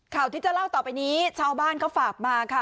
ข่าวที่จะเล่าต่อไปนี้ชาวบ้านเขาฝากมาค่ะ